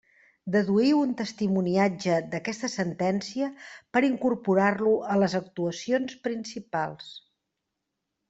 Deduïu un testimoniatge d'aquesta sentència per incorporar-lo a les actuacions principals.